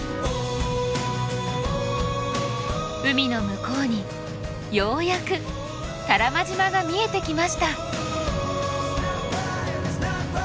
海の向こうにようやく多良間島が見えてきました。